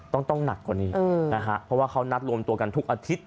ต้องหนักกว่านี้นะฮะเพราะว่าเขานัดรวมตัวกันทุกอาทิตย์